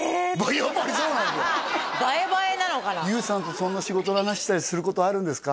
ＹＯＵさんとそんな仕事の話したりすることあるんですか？